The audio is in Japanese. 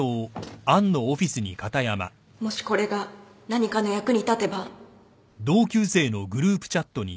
もしこれが何かの役に立てば